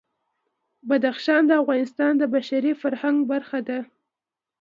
بدخشان د افغانستان د بشري فرهنګ برخه ده.